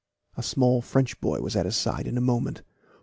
A small French boy was at his side in a moment.